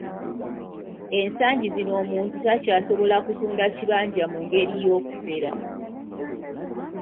Ensangi zino omuntu takyasobola kutunda kibanja mu ngeri y'okufera.